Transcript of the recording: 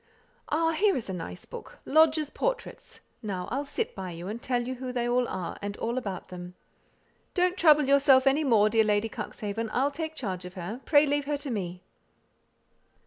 Ah, here is a nice book Lodge's Portraits; now I'll sit by you and tell you who they all are, and all about them. Don't trouble yourself any more, dear Lady Cuxhaven; I'll take charge of her; pray leave her to me!"